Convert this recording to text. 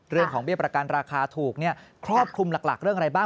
เรื่องของเบี้ยประกันราคาถูกครอบคลุมหลักเรื่องอะไรบ้าง